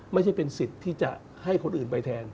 ไม่ใช่เป็นสิทธิ์ที่จะให้คนอื่นไปแทน